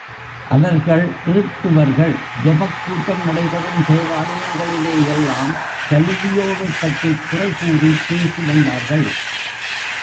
அவர்கள் கிறித்துவர்கள் ஜெபக் கூட்டம் நடைபெறும் தேவாலயங்களிலே எல்லாம் கலீலியோவைப் பற்றிக் குறை கூறிப் பேசி வந்தார்கள்.